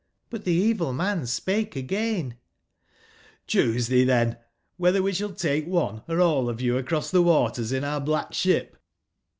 But the evil man spake again: 'Choose ye then whether we shall take one, or all of you across the waters in our black ship.'